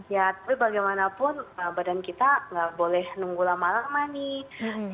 ya tapi bagaimanapun badan kita nggak boleh nunggu lama lama nih